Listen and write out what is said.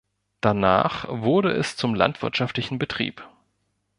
Danach wurde es zum landwirtschaftlichen Betrieb.